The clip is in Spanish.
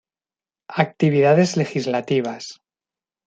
Actividades Legislativas.